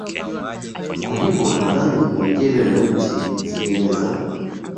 kwa hivyo nadhani nigeria na nchi zingine za